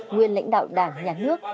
nguyên lãnh đạo đảng nhà nước